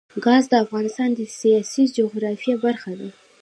ګاز د افغانستان د سیاسي جغرافیه برخه ده.